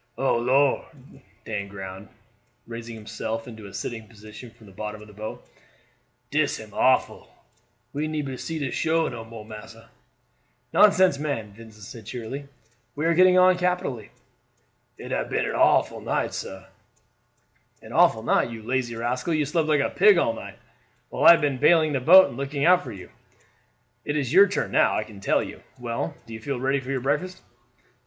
"Oh Lor'!" Dan groaned, raising himself into a sitting position from the bottom of the boat, "dis am awful; we neber see the shore no more, massa." "Nonsense, man," Vincent said cheerily; "we are getting on capitally." "It hab been an awful night, sah." "An awful night! You lazy rascal, you slept like a pig all night, while I have been bailing the boat and looking out for you. It is your turn now, I can tell you. Well, do you feel ready for your breakfast?"